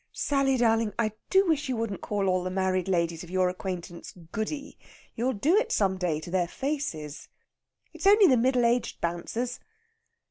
"Sally darling, I do wish you wouldn't call all the married ladies of your acquaintance Goody. You'll do it some day to their faces." "It's only the middle aged bouncers."